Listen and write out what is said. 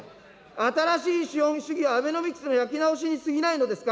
新しい資本主義はアベノミクスの焼き直しにすぎないのですか。